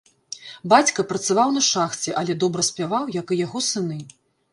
Бацька працаваў на шахце, але добра спяваў, як і яго сыны.